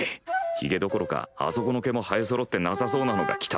ヒゲどころかあそこの毛も生えそろってなさそうなのが来た。